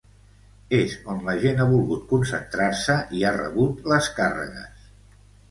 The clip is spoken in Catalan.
És on la gent ha volgut concentrar-se i ha rebut les càrregues.